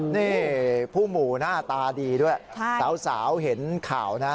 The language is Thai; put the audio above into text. นี่ผู้หมู่หน้าตาดีด้วยสาวเห็นข่าวนะ